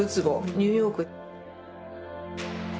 ニューヨーク。